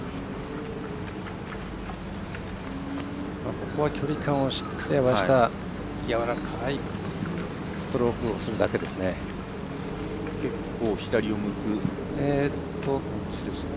ここは距離感をしっかり合わせたやわらかいストロークをするだけですね。